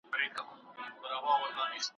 استازي تل نوي وړانديزونه حکومت ته ورکوي.